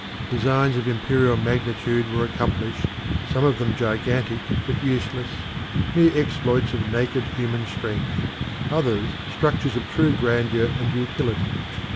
Designs of imperial magnitude were accomplished, some of them gigantic but useless, mere exploits of naked human strength, others structures of true grandeur and utility.